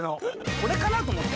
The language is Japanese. これかなと思って。